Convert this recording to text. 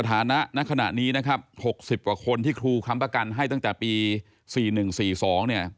ฐานะณขณะนี้นะครับ๖๐กว่าคนที่ครูค้ำประกันให้ตั้งแต่ปี๔๑๔๒เนี่ย